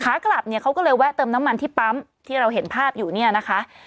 ขากลับเนี่ยเขาก็เลยแวะเติมน้ำมันที่ปั๊มที่เราเห็นภาพอยู่เนี่ยนะคะ